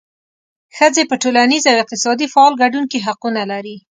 ښځې په ټولنیز او اقتصادي فعال ګډون کې حقونه لري.